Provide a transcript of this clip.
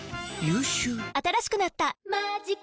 新しくなった「マジカ」